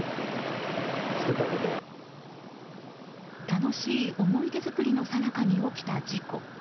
楽しい思い出づくりのさなかに起きた事故。